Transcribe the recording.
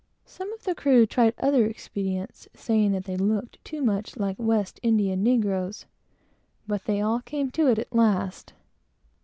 Some of the crew tried other expedients, saying that they looked too much like West India negroes; but they all came to it at last.